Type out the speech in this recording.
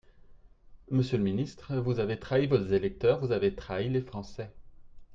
Monsieur le ministre, vous avez trahi vos électeurs, vous avez trahi les Français.